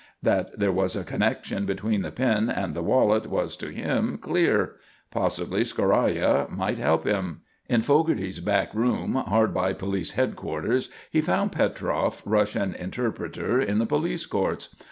That there was a connection between the pin and the wallet was, to him, clear. Possibly "scoraya" might help him. In Fogarty's back room, hard by police headquarters, he found Petroff, Russian interpreter in the police courts.